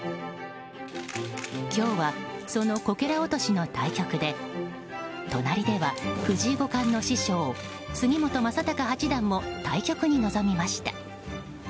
今日はそのこけら落としの対局で隣では、藤井五冠の師匠杉本昌隆八段も対局に臨みました。